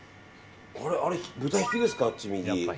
あれ豚ひきですか。